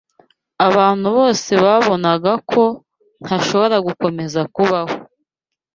Abantu bose babonaga ko ntashobora gukomeza kubaho